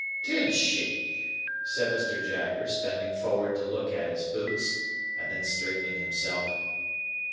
"Did she?" said Mr. Jaggers, bending forward to look at his boots and then straightening himself.